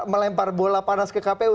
melempar bola panas ke kpu